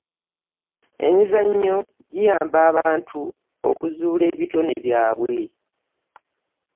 Emizannyo giyamba abantu okuzuula ebitone byabwe.